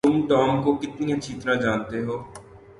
تم ٹام کو کتنی اچھی طرح جانتے ہو؟